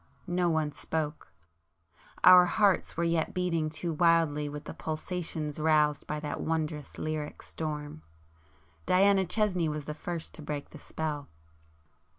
No one spoke,—our hearts were yet beating too wildly with the pulsations roused by that wondrous lyric storm. Diana Chesney was the first to break the spell.